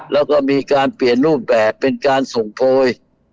แล้วก็มีการเปลี่ยนรูปแบบเป็นการส่งโพย